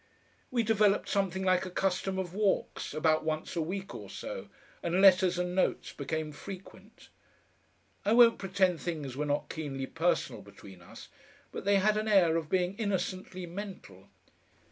We developed something like a custom of walks, about once a week or so, and letters and notes became frequent. I won't pretend things were not keenly personal between us, but they had an air of being innocently mental.